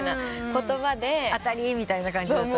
当たりみたいな感じだった？